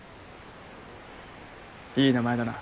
いい名前だな。